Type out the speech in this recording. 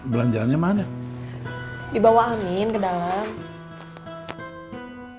belanjaannya mana dibawa angin ke dalam